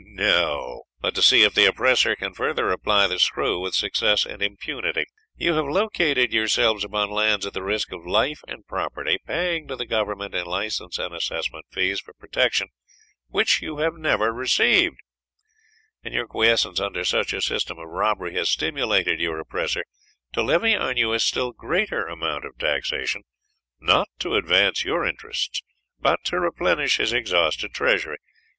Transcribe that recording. No! but to see if the oppressor can further apply the screw with success and impunity. You have located yourselves upon lands at the risk of life and property, paying to the Government in license and assessment fees for protection which you have never received, and your quiesence under such a system of robbery has stimulated your oppressor to levy on you a still greater amount of taxation, not to advance your interests, but to replenish his exhausted treasury.